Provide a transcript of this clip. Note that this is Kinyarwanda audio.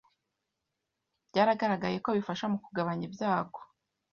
byagaragaye ko bifasha mu kugabanya ibyago